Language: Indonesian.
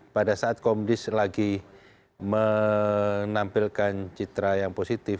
pada saat komdis lagi menampilkan citra yang positif